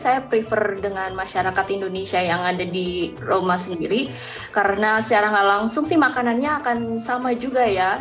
saya prefer dengan masyarakat indonesia yang ada di roma sendiri karena secara gak langsung sih makanannya akan sama juga ya